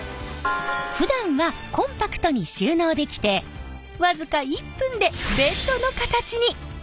ふだんはコンパクトに収納できて僅か１分でベッドの形に。